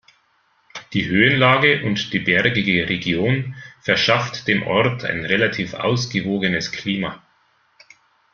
Die Höhenlage und die bergige Region verschafft dem Ort ein relativ ausgewogenes Klima.